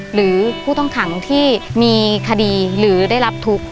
หรือผู้ต้องขังที่มีคดีหรือได้รับทุกข์